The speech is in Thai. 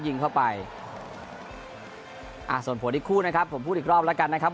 ยิงเข้าไปอ่าส่วนผลอีกคู่นะครับผมพูดอีกรอบแล้วกันนะครับ